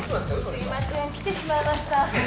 すいません来てしまいました。